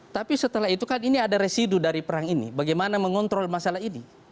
tapi setelah itu kan ini ada residu dari perang ini bagaimana mengontrol masalah ini